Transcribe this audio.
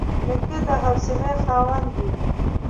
نیکه د حوصلې خاوند وي.